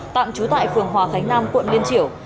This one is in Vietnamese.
tạm trú tại phường hòa khánh nam quận liên triểu